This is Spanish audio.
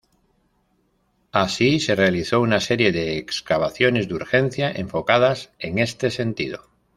Así, se realizó una serie de excavaciones de urgencia enfocadas en este sentido.